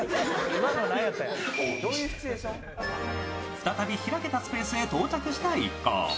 再び開けたスペースへ到着した一行